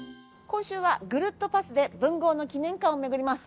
今週はぐるっとパスで文豪の記念館を巡ります。